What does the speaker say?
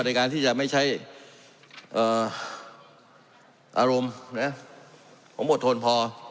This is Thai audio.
ในการที่จะไม่ใช่เอ่ออารมณ์เนี่ยผมอดทนพอ